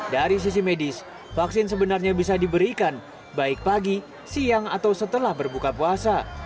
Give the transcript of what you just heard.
dari sisi medis vaksin sebenarnya bisa diberikan baik pagi siang atau setelah berbuka puasa